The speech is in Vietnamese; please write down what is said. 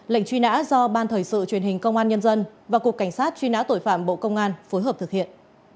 lệnh truy nã do ban thời sự truyền hình công an nhân dân và cục cảnh sát truy nã tội phạm bộ công an phối hợp thực hiện